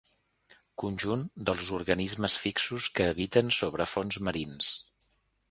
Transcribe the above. Conjunt dels organismes fixos que habiten sobre fons marins.